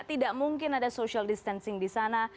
tidak mungkin ada social distancing di sana